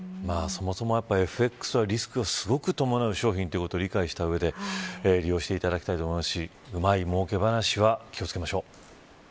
そもそも、やっぱりＦＸはリスクがすごく伴う商品ということを理解した上で利用してほしいと思いますしうまい儲け話は気を付けましょう。